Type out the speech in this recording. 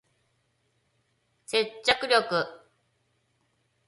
接着力